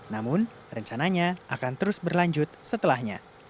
namun rencananya akan terus berlanjut setelahnya